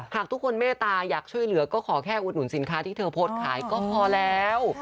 หากทุกคนเมตตาอยากช่วยเหลือก็ขอแค่อุดหนุนสินค้าที่เธอโพสต์ขายก็พอแล้ว